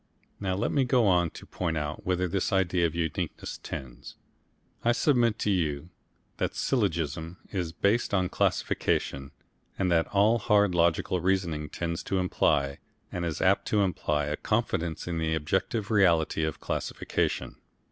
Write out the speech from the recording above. Now let me go on to point out whither this idea of uniqueness tends. I submit to you that syllogism is based on classification, that all hard logical reasoning tends to imply and is apt to imply a confidence in the objective reality of classification.